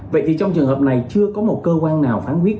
vậy thì trong trường hợp này chưa có một cơ quan nào phán quyết